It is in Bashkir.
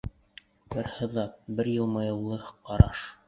Бер һыҙат, бер йылмайыулы ҡараш...